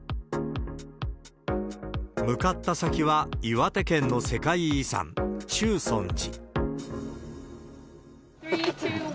向かった先は、岩手県の世界遺産、中尊寺。